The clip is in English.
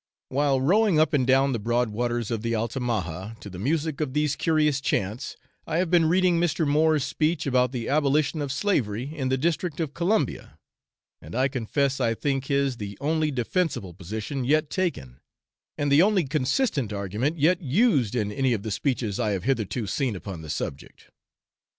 While rowing up and down the broad waters of the Altamaha to the music of these curious chants, I have been reading Mr. Moore's speech about the abolition of slavery in the district of Columbia; and I confess I think his the only defensible position yet taken, and the only consistent argument yet used in any of the speeches I have hitherto seen upon the subject.